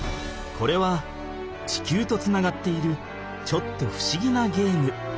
これは地球とつながっているちょっとふしぎなゲーム。